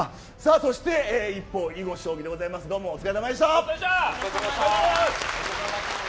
そして一方囲碁将棋でございますお疲れさまでした。